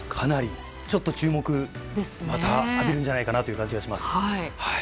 ちょっと注目浴びるんじゃないかという気がします。